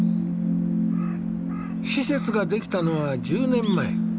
施設が出来たのは１０年前。